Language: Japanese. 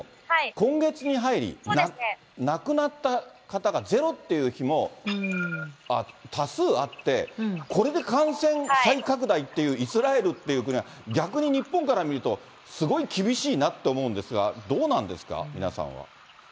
今月に入り、亡くなった方がゼロという日も多数あって、これで感染再拡大っていうイスラエルっていう国は、逆に日本から見ると、すごい厳しいなって思うんですが、どうなんですか、皆さんは。